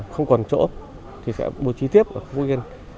không còn chỗ thì sẽ bố trí tiếp ở phú yên